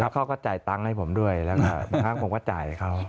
เขาก็จ่ายตังค์ให้ผมด้วยแล้วค่ะผมก็จ่ายเขา